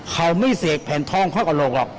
เขาไม่เสกแผ่นทองเข้ากระโหลกหรอก